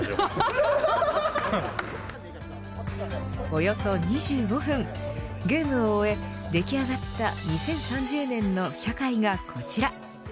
およそ２５分ゲームを終え、出来上がった２０３０年の社会が、こちら。